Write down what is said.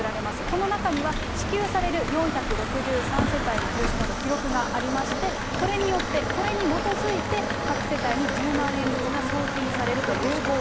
この中には支給される４６３世帯の住所など記録がありまして、これによって、これに基づいて、各世帯に１０万円ずつが送金されるという仕組み。